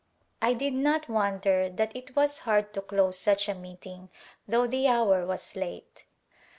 I did not wonder that it was hard to close such a meeting though the hour was late.